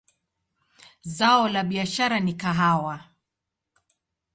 Zao la biashara ni kahawa.